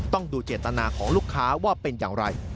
ต้องดูเจตนาของลูกค้าว่าเป็นอย่างไร